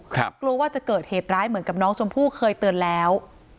กลัวว่าจะเกิดเหตุร้ายเหมือนกับน้องชมพู่เคยเตือนแล้ว